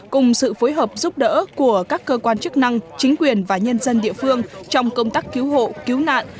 cùng sự phối hợp giúp đỡ của các cơ quan chức năng chính quyền và nhân dân địa phương trong công tác cứu hộ cứu nạn